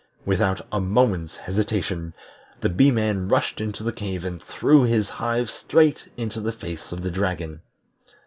Without a moment's hesitation, the Bee man rushed into the cave and threw his hive straight into the face of the dragon.